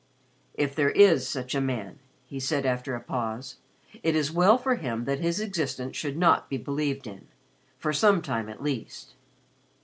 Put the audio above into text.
"If there is such a man," he said after a pause, "it is well for him that his existence should not be believed in for some time at least."